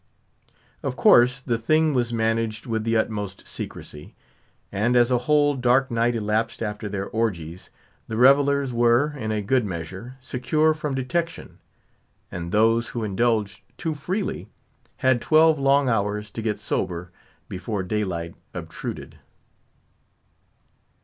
Of course, the thing was managed with the utmost secrecy; and as a whole dark night elapsed after their orgies, the revellers were, in a good measure, secure from detection; and those who indulged too freely had twelve long hours to get sober before daylight obtruded.